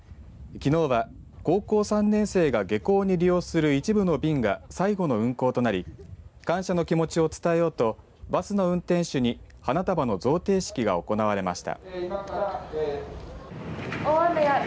きのうは高校３年生が下校に利用する一部の便が最後の運行となり感謝の気持ちを伝えようとバスの運転手に花束の贈呈式が行われました。